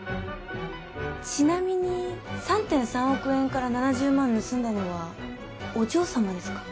ちなみに３．３億円から７０万盗んだのはお嬢様ですか？